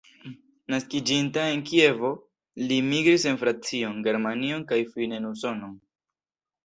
Naskiĝinta en Kievo, li migris en Francion, Germanion kaj fine en Usonon.